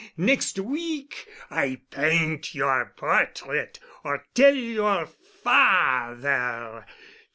Next week I paint your portrait—or tell your father!